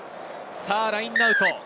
ラインアウト。